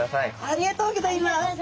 ありがとうございます。